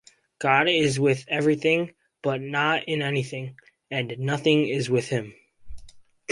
God is with everything, but not in anything, and nothing is with Him.